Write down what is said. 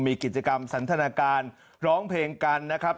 มีกิจกรรมสันทนาการร้องเพลงกันนะครับ